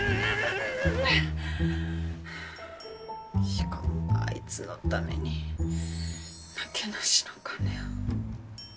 しかもあいつのためになけなしの金を。